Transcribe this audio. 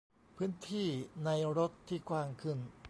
- พื้นที่ในรถที่กว้างขึ้น